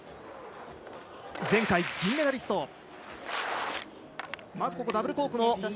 前回の銀メダリスト。